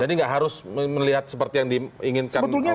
jadi nggak harus melihat seperti yang diinginkan